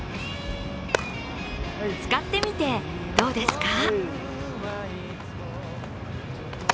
使ってみて、どうですか？